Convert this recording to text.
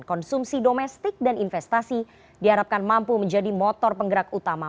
konsumsi domestik dan investasi diharapkan mampu menjadi motor penggerak utama